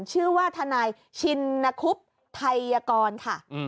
ชื่อว่าทนายชินคุบไทยกรค่ะ